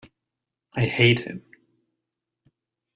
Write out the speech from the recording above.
I hate him!